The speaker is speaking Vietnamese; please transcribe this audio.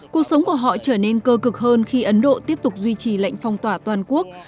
cuộc sống của họ trở nên cơ cực hơn khi ấn độ tiếp tục duy trì lệnh phong tỏa toàn quốc